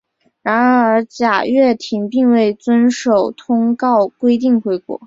然而贾跃亭并未遵守通告规定回国。